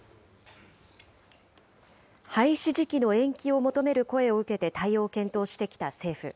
廃止時期の延期を求める声を受けて対応を検討してきた政府。